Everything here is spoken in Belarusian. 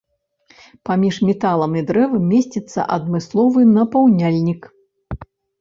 Паміж металам і дрэвам месціцца адмысловы напаўняльнік.